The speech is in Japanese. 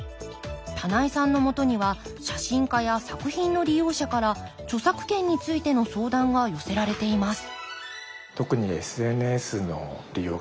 棚井さんのもとには写真家や作品の利用者から著作権についての相談が寄せられています